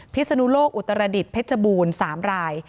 พิษณุโลกอุตรดิตเพชรบูรณ์๓ราย